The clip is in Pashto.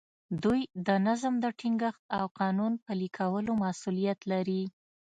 دوی د نظم د ټینګښت او قانون پلي کولو مسوولیت لري.